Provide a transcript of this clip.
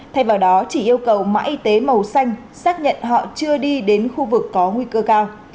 thay vào đó chỉ yêu cầu mạng y tế màu xanh xác nhận họ chưa đi đến khu vực có nguy cơ cao